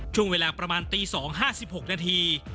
ช่วงเวลาประมาณตี๒ห้าสิบหกนาที